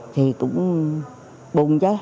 thì cũng buồn chứ